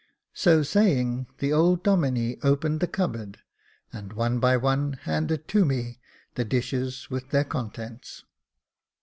So saying, the old Domine opened the cupboard, and one by one, handed to me the dishes with their contents.